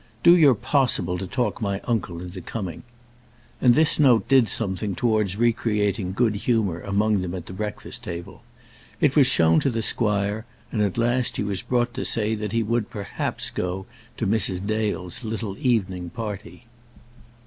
Do your possible to talk my uncle into coming." And this note did something towards re creating good humour among them at the breakfast table. It was shown to the squire, and at last he was brought to say that he would perhaps go to Mrs. Dale's little evening party.